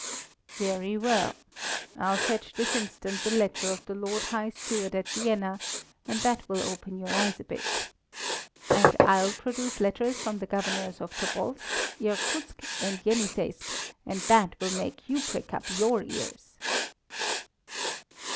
"Very well. I'll fetch this instant the letter of the Lord High Steward at Vienna, and that will open your eyes a bit." "And I'll produce letters from the Governors of Tobolsk, Irkutsk, and Jeniseisk, and that will make you prick up your ears."